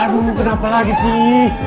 aduh kenapa lagi sih